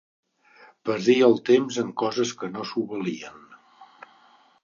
Perdia el temps en coses que no s'ho valien.